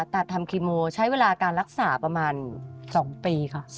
ตัดทำคีโมใช้เวลาการรักษาประมาณ๒ปีค่ะ